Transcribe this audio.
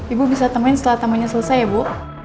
ibu bisa temuin setelah tamunya selesai ya bu